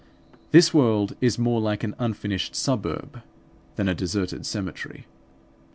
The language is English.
This world is more like an unfinished suburb than a deserted cemetery.